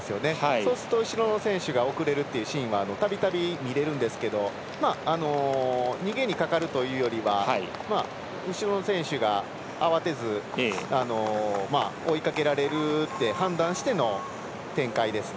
そうすると後ろの選手が遅れるシーンはたびたび見れるんですけど逃げにかかるというよりは後ろの選手が慌てず追いかけられるって判断しての展開ですね。